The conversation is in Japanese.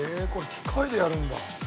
これ機械でやるんだ。